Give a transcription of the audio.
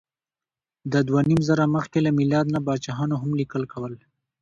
د دوهنیمزره مخکې له میلاد نه پاچاهانو هم لیکل کول.